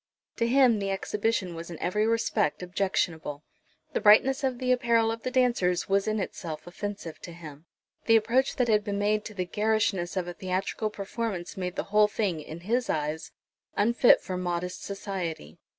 To him the exhibition was in every respect objectionable. The brightness of the apparel of the dancers was in itself offensive to him. The approach that had been made to the garishness of a theatrical performance made the whole thing, in his eyes, unfit for modest society.